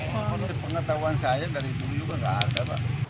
pada pengetahuan saya dari dulu juga nggak ada